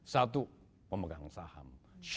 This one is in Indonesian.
satu pemegang saham